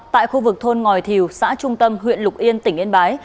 tại khu vực thôn ngòi thiều xã trung tâm huyện lục yên tỉnh yên bái